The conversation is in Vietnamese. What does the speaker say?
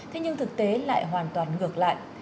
thế nhưng thực tế lại hoàn toàn không